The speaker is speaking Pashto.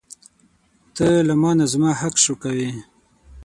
ته له مانه زما حق شوکوې.